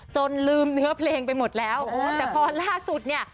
จนลืมเนื้อเพลงไปหมดแล้วแต่พอล่าสุดเนี่ย